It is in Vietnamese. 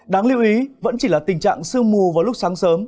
đáng lưu ý vẫn chỉ là tình trạng sương mù vào lúc sáng sớm